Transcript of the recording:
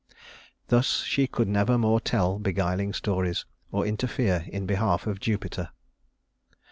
Thus she could never more tell beguiling stories, or interfere in behalf of Jupiter.